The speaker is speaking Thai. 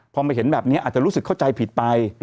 พอมาเห็นแบบนี้อาจจะรู้สึกเข้าใจผิดไป